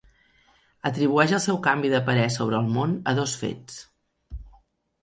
Atribueix el seu canvi de parer sobre el món a dos fets.